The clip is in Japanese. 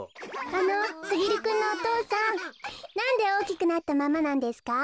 あのすぎるくんのお父さんなんでおおきくなったままなんですか？